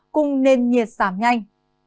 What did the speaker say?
cùng nền nhiệt giảm nhanh